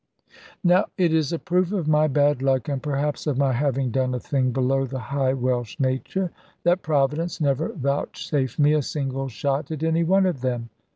Now it is a proof of my bad luck, and perhaps of my having done a thing below the high Welsh nature, that Providence never vouchsafed me a single shot at any one of them.